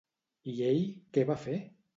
I ell, què va fer?